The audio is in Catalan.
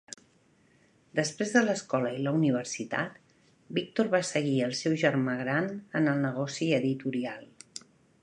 Després de l'escola i la universitat, Victor va seguir el seu germà gran en el negoci editorial.